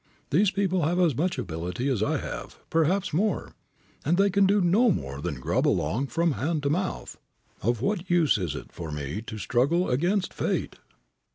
These people have as much ability as I have, perhaps more, and if they can do no more than grub along from hand to mouth, of what use is it for me to struggle against fate?"